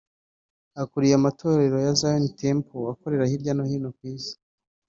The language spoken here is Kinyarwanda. ukuriye amatorero ya Zion Temple akorera hirya no hino ku isi